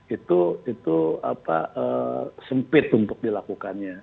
itu sempit untuk dilakukannya